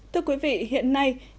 thưa quý vị hiện nay